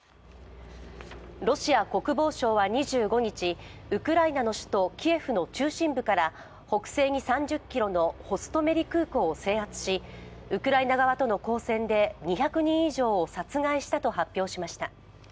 ロシア国防省は２５日、ウクライナの首都キエフの中心部から北西に３０ｋｍのホストメリ空港を制圧しウクライナ側との交戦で２００人以上を殺害したと発表しました。